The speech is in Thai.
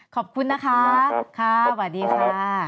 ขอบคุณนะคะค่ะสวัสดีค่ะ